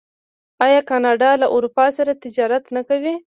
آیا کاناډا له اروپا سره تجارت نه کوي؟